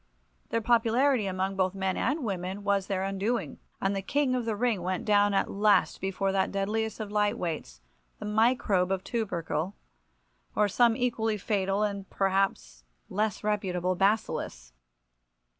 Their popularity among both men and women was their undoing, and the king of the ring went down at last before that deadliest of light weights, the microbe of tubercle, or some equally fatal and perhaps less reputable bacillus.